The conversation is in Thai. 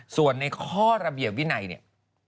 ส่วนในข้อระเบียบวินัย